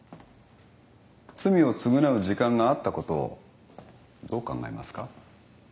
罪を償う時間があったことをどう考えますか。